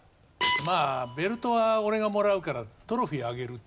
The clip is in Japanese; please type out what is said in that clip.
まあベルトは俺がもらうからトロフィーあげるって。